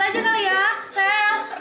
bangun dong aku takut nih